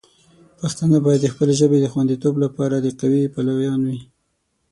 پښتانه باید د خپلې ژبې د خوندیتوب لپاره د قوی پلویان شي.